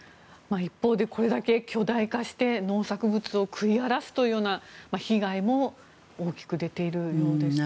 一方でこれだけ巨大化して農作物を食い荒らすというような被害も大きく出ているようですね。